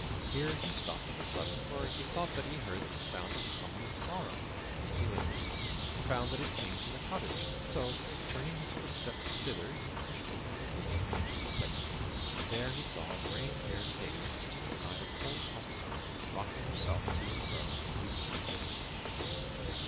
Here he stopped of a sudden, for he thought that he heard the sound of someone in sorrow. He listened, and found that it came from the cottage; so, turning his footsteps thither, he pushed open the wicket and entered the place. There he saw a gray haired dame sitting beside a cold hearthstone, rocking herself to and fro and weeping bitterly.